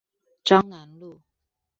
彰南路